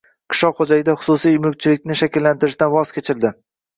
– qishloq xo‘jaligida xususiy mulkchilikni shakllantirishdan voz kechildi.